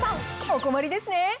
お困りですね？